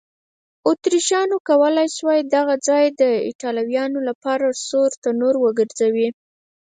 اتریشیانو کولای شوای دغه ځای د ایټالویانو لپاره سور تنور وګرځوي.